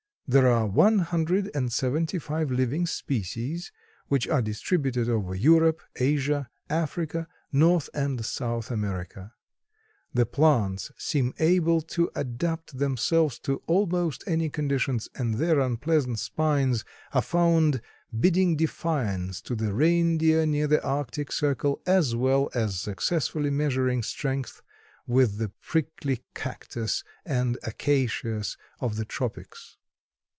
There are one hundred and seventy five living species which are distributed over Europe, Asia, Africa, North and South America. The plants seem able to adapt themselves to almost any conditions, and their unpleasant spines are found bidding defiance to the reindeer near the Arctic circle, as well as successfully measuring strength with the prickly cactus and acacias of the tropics.